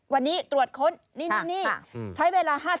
วันนี้ตรวจค้นนี่ใช้เวลา๕๐